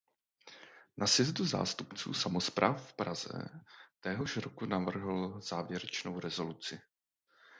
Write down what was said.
Na sjezdu zástupců samospráv v Praze téhož roku navrhl závěrečnou rezoluci.